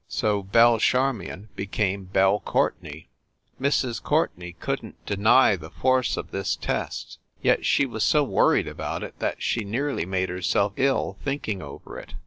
So Belle Charmion became Belle Courtenay. Mrs. Courtenay couldn t deny the force of this test, yet she was so worried about it that she nearly made herself ill thinking over it.